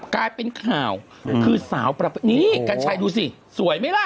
กลายเป็นข่าวคือสาวประเภทนี่กัญชัยดูสิสวยไหมล่ะ